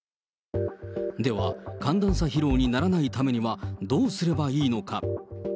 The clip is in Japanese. では、寒暖差疲労にならないためにはどうすればいいのか。